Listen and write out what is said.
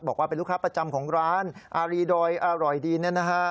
บอกว่าเป็นลูกค้าประจำของร้านอารีดอยอร่อยดีเนี่ยนะฮะ